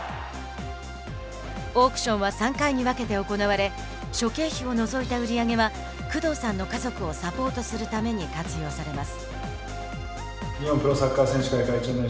オークションは３回に分けて行われ諸経費を除いた売り上げは工藤さんの家族をサポートするために活用されます。